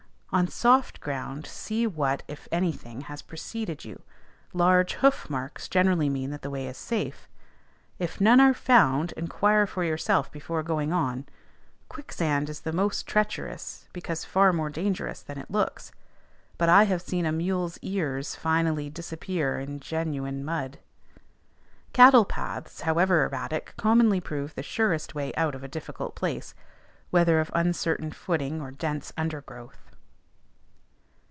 On soft ground see what, if any thing, has preceded you; large hoof marks generally mean that the way is safe: if none are found, inquire for yourself before going on. Quicksand is the most treacherous because far more dangerous than it looks; but I have seen a mule's ears finally disappear in genuine mud. Cattle paths, however erratic, commonly prove the surest way out of a difficult place, whether of uncertain footing or dense undergrowth.